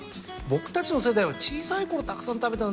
僕たちの世代は小さいころたくさん食べた。